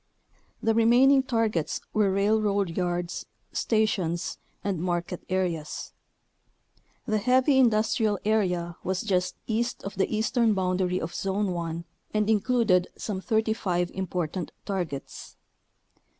The remaining tar gets were railroad yards, stations, and market areas. The heavy industrial area was just east of the eastern boundary of Zone 1 and included some 35 important targets.